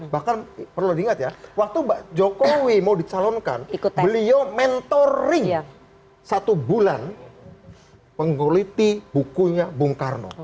bahkan perlu diingat ya waktu pak jokowi mau dicalonkan beliau mentoring satu bulan menguliti bukunya bung karno